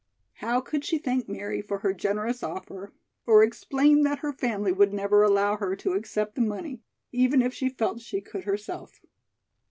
How could she thank Mary for her generous offer or explain that her family would never allow her to accept the money, even if she felt she could herself?